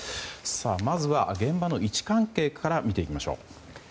まずは、現場の位置関係から見ていきましょう。